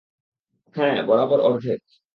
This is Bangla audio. হ্যাঁ, বরাবর অর্ধেক।